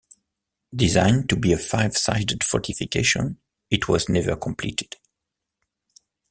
Designed to be a five-sided fortification, it was never completed.